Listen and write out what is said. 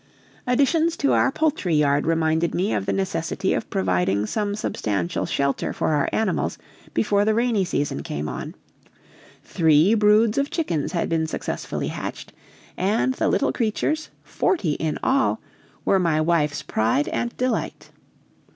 Additions to our poultry yard reminded me of the necessity of providing some substantial shelter for our animals before the rainy season came on; three broods of chickens had been successfully hatched, and the little creatures, forty in all, were my wife's pride and delight.